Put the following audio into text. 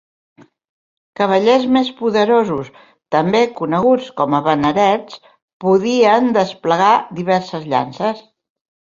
Cavallers més poderosos, també coneguts com a "bannerets", podien desplegar diverses llances.